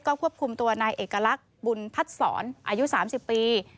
ควบคุมตัวนายเอกลักษณ์บุญพัดศรอายุ๓๐ปี